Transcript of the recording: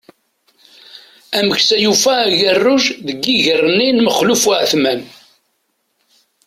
Ameksa yufa agerruj deg iger-nni n Maxluf Uεetman.